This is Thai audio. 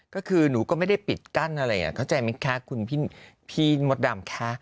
ก็คือหนูก็ไม่ได้ปิดกั้นอะไรเข้าใจไหมคะคุณพี่มดดำคะ